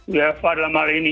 bfa dalam hal ini